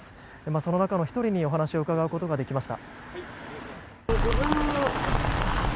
その中の１人にお話を伺うことができました。